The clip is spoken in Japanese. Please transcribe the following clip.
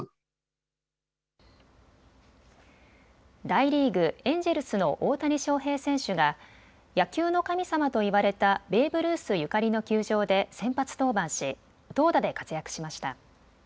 大リーグ、エンジェルスの大谷翔平選手が野球の神様と言われたベーブ・ルースゆかりの球場で先発登板し投打で活躍しました。